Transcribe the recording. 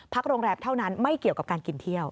โรงแรมเท่านั้นไม่เกี่ยวกับการกินเที่ยว